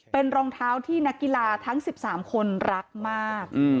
เป็นรองเท้าที่นักกีฬาทั้ง๑๓คนรักมาก